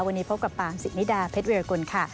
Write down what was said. วันนี้พบกับปาร์มสิกนิดาเพชรเวียร์กุลค่ะ